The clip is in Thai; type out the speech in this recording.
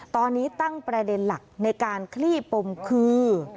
ตอนนี้ตั้งประเด็นหลักในการคลี่ปมคือ